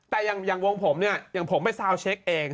แต่อย่างวงผมเนี่ยอย่างผมไปซาวเช็คเอง